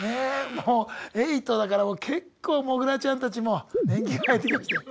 もう８だから結構モグラちゃんたちも年季が入ってきましたよ。